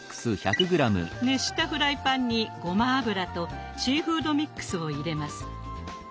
熱したフライパンにごま油とシーフードミックスを入れます。